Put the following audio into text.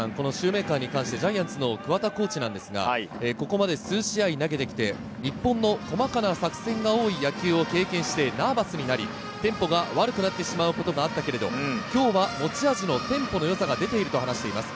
シューメーカーに関して、ジャイアンツの桑田コーチなんですが、ここまで数試合を投げてきて日本の細かな作戦が多い野球を経験して、ナーバスになり、テンポが悪くなってしまうことがあったけれど、今日は持ち味のテンポのよさが出ていると話しています。